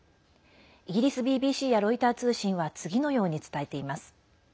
イギリスＢＢＣやロイター通信は次のように伝えています。